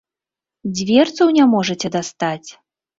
Дзверцаў не можаце дастаць!